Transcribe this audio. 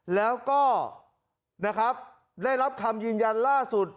แล้วก็นะครับได้รับคำยืนยันล่าสุด